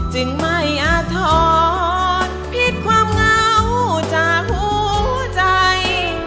จึงไม่อาทรผิดความเหงาจากหัวใจ